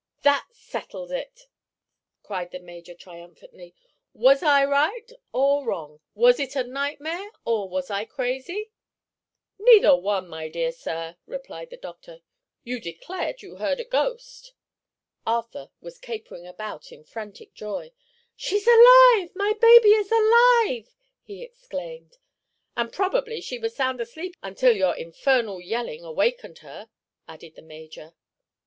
"That settles it!" cried the major, triumphantly. "Was I right, or wrong? Was it a nightmare, or was I crazy?" "Neither one, my dear sir," replied the doctor. "You declared you heard a ghost." Arthur was capering about in frantic joy. "She's alive—my baby is alive!" he exclaimed. "And probably she was sound asleep until your infernal yelling awakened her," added the major.